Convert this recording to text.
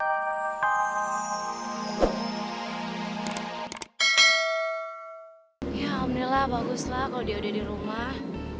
ya alhamdulillah bagus lah kalo dia udah di rumah